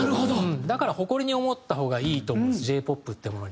だから誇りに思った方がいいと思うんですＪ−ＰＯＰってものに。